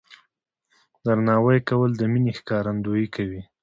درناوی کول د مینې ښکارندویي کوي.